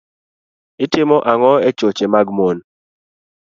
itimo ang'o e choche mag mon